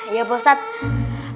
iya pak ustadz